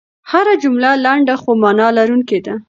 هره جمله لنډه خو مانا لرونکې ده.